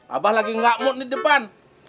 abang lagi gak mood di depan